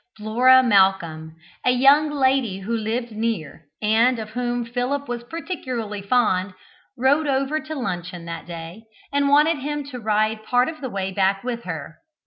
Flora Malcolm, a young lady who lived near, and of whom Philip was particularly fond, rode over to luncheon that day, and wanted him to ride part of the way back with her.